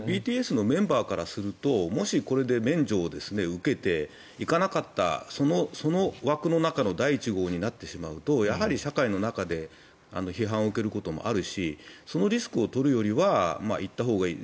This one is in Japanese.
ＢＴＳのメンバーからするともしこれで免除を受けて行かなかったその枠の中の第１号になってしまうとやはり社会の中で批判を受けることもあるしそのリスクを取るよりは行ったほうがいい。